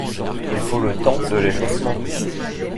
Il faut le temps de l’échauffement